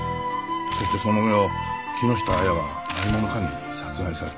そしてその夜木下亜矢は何者かに殺害された。